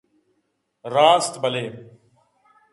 راست بلئے